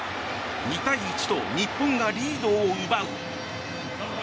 ２対１と日本がリードを奪う。